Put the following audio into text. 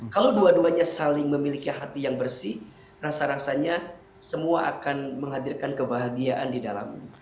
kalau dua duanya saling memiliki hati yang bersih rasa rasanya semua akan menghadirkan kebahagiaan di dalamnya